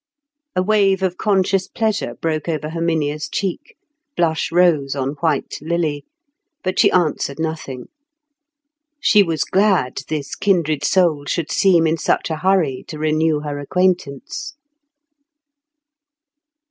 A wave of conscious pleasure broke over Herminia's cheek, blush rose on white lily; but she answered nothing. She was glad this kindred soul should seem in such a hurry to renew her acquaintance.